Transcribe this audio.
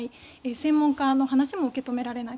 専門家の話も受け止められない。